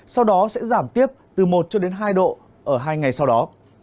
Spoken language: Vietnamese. sau đó sẽ giảm tiếp từ một hai độ ở hai ngày sau đó